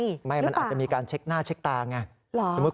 มาอย่างงั้นมันอาจจะมีการเช็กหน้าเช็กตาง่ะนึกว่าหรือเปล่า